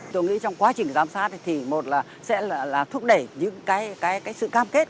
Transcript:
tôi nghĩ trong quá trình giám sát thì một là sẽ là thúc đẩy những cái sự cam kết